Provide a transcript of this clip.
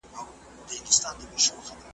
زما مي د سفر نیلی تیار دی بیا به نه وینو `